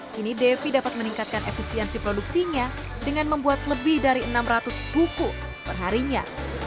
kini devi dapat meningkatkan efisiensi produksinya dengan membuat lebih dari enam ratus buku perharinya